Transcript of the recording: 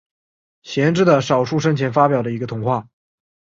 贤治的少数生前发表的一个童话。